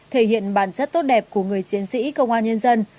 thể hiện bản chất tốt đẹp của người chiến sĩ công an nhân dân